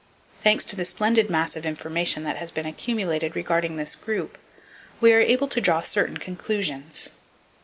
Thanks to the splendid mass of information that has been accumulated regarding this group, we are able to draw certain conclusions.